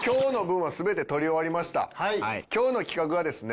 今日の企画はですね